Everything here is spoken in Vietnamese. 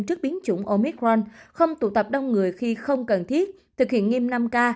trước biến chủng omicron không tụ tập đông người khi không cần thiết thực hiện nghiêm năm k